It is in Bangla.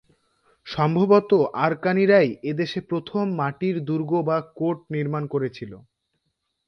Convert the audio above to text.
সম্ভবত আরাকানিরাই এদেশে প্রথম মাটির দুর্গ বা কোট নির্মাণ করেছিল।